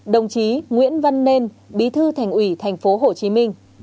một mươi bốn đồng chí nguyễn văn nên bí thư thành ủy tp hcm